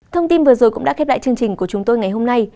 thông tin vừa rồi cũng đã kết đại chương trình của chúng tôi ngày hôm nay